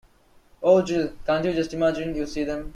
Oh, Jill, can’t you just imagine you see them?